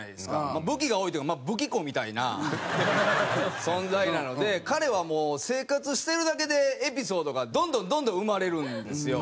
まあ武器が多いというか武器庫みたいな存在なので彼はもう生活してるだけでエピソードがどんどんどんどん生まれるんですよ。